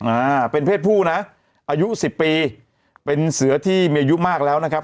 อ่าเป็นเพศผู้นะอายุสิบปีเป็นเสือที่มีอายุมากแล้วนะครับ